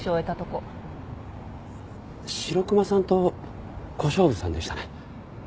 白熊さんと小勝負さんでしたね。